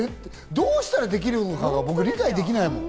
どうしたらできるのかが僕、理解できないもん。